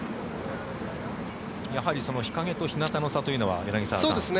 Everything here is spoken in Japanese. やはり日陰と日なたの差というのはあるんですね。